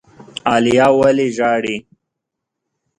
عالیه ولي ژاړي؟